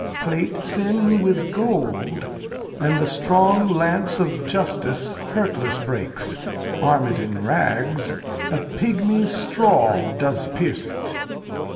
Plate sin with gold, And the strong lance of justice hurtless breaks; Arm it in rags, a pygmy's straw does pierce it.